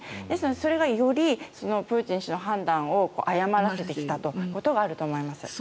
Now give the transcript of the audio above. ですので、それがよりプーチン氏の判断を誤らせてきたということがあると思います。